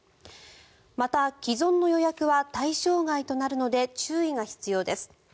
また、既存の予約は対象外となるので注意が必要です。